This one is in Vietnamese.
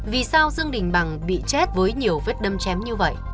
vì sao dương đình bằng bị chết với nhiều vết đâm chém như vậy